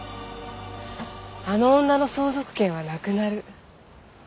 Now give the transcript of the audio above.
あの女の相続権はなくなる。